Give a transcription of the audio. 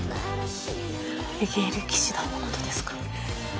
アビゲイル騎士団のことですか？